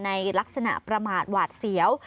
ในลักษณะประมาทหวาดเสียว